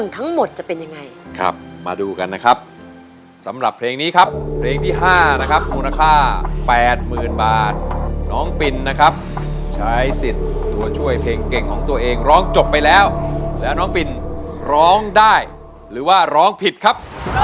ทั้งหมดจะเป็นยังไงครับมาดูกันนะครับสำหรับเพลงนี้ครับเพลงที่๕นะครับมูลค่า๘๐๐๐บาทน้องปินนะครับใช้สิทธิ์ตัวช่วยเพลงเก่งของตัวเองร้องจบไปแล้วแล้วน้องปินร้องได้หรือว่าร้องผิดครับ